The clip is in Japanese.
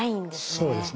そうですね。